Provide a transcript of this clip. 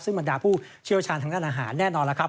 ซึ่งบรรดาผู้เชี่ยวชาญทางด้านอาหารแน่นอนแล้วครับ